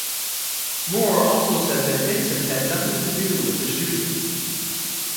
Moore also said that Dixon had nothing to do with the shooting.